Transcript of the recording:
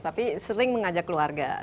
tapi sering mengajak keluarga